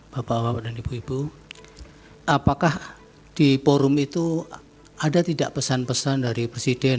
bapak bapak dan ibu ibu apakah di forum itu ada tidak pesan pesan dari presiden